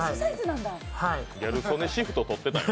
ギャル曽根シフトとってたんや